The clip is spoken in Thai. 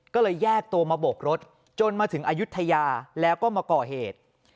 ก็เลยแยกตัวมาโบกรถจนมาถึงอายุทยาแล้วก็มาก่อเหตุ